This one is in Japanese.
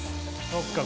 そっか